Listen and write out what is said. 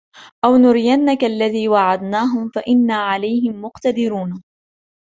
أو نرينك الذي وعدناهم فإنا عليهم مقتدرون